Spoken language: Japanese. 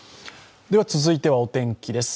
では続いてはお天気です。